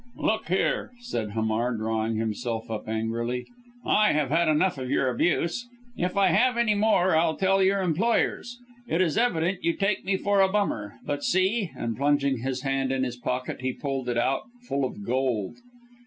"Look here," said Hamar drawing himself up angrily, "I have had enough of your abuse. If I have any more I'll tell your employers. It is evident you take me for a bummer, but see," and plunging his hand in his pocket he pulled it out full of gold.